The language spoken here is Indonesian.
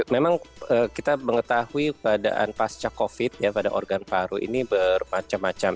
memang kita mengetahui keadaan pasca covid ya pada organ paru ini bermacam macam